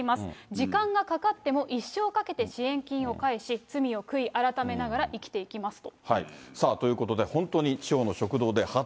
時間がかかっても、一生かけて支援金を返し、罪を悔い改めながら生きていきますと。